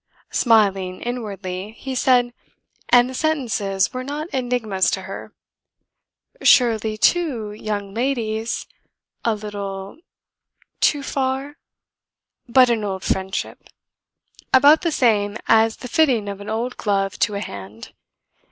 Smiling inwardly, he said, and the sentences were not enigmas to her: "Surely, too, young ladies ... a little? Too far? But an old friendship! About the same as the fitting of an old glove to a hand.